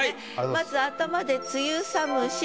まず頭で「梅雨寒し」